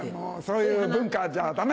そういう文化じゃダメ！